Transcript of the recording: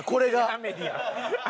『アメリ』や。